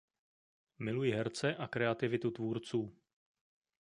Miluji herce a kreativitu tvůrců.